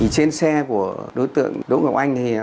trên xe của đối tượng đỗ ngọc anh